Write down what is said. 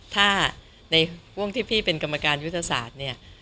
ถ้าในห่วงที่พี่เป็นกรรมการยุทธศาสตร์เนี่ย